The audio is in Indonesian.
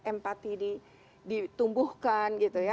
empati ditumbuhkan gitu ya